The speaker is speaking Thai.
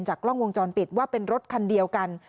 กล้องวงจรปิดว่าเป็นรถคันเดียวกัน